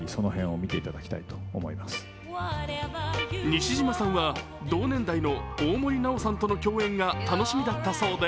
西島さんは同年代の大森南朋さんとの共演が楽しみだったそうで